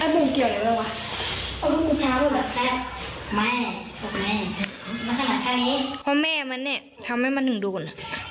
เพราะแม่มันเนี่ยทำให้มันถึงโดน